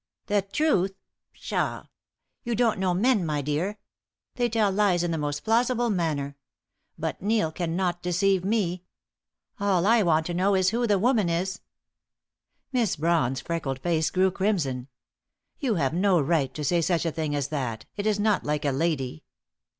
"The truth! Pshaw! You don't know men, my dear. They tell lies in the most plausible manner. But Neil cannot deceive me! All I want to know is who the woman is!" Miss Brawn's freckled face grew crimson. "You have no right to say such a thing as that! It is not like a lady!"